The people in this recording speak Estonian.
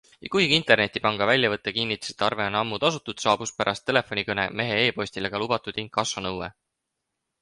Ja kuigi internetipanga väljavõte kinnitas, et arve on ammu tasutud, saabus pärast telefonikõne mehe e-postile ka lubatud inkassonõue.